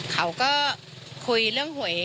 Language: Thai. เขาก็คุยเรื่องหวย